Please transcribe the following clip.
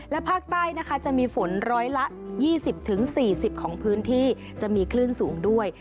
และภาคใต้นะคะจะมีฝนร้อยละ๒๐๔๐ของพื้นที่จะมีคลื่นสูงด้วย